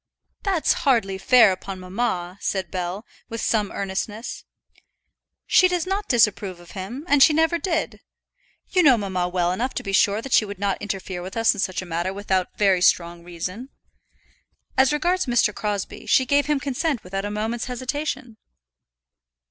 "That's hardly fair upon mamma," said Bell, with some earnestness. "She does not disapprove of him, and she never did. You know mamma well enough to be sure that she would not interfere with us in such a matter without very strong reason. As regards Mr. Crosbie, she gave her consent without a moment's hesitation."